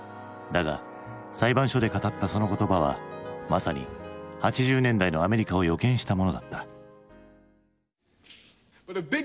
だが裁判所で語ったその言葉はまさに８０年代のアメリカを予見したものだった。